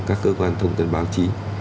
các cơ quan thông tin báo chí